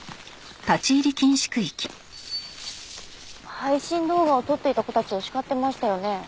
配信動画を撮っていた子たちを叱ってましたよね？